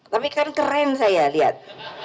tapi kan keren saya lihat